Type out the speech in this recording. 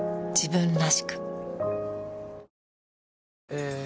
え